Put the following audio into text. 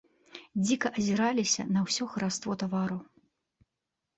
Дзіка азіраліся на ўсё хараство тавараў.